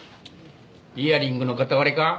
イヤリングの片割れか？